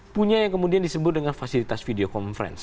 punya yang kemudian disebut dengan fasilitas video conference